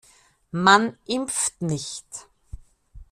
Man impft nicht.